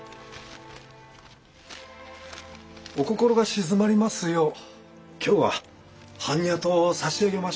お心が静まりますよう今日は般若湯を差し上げましょう。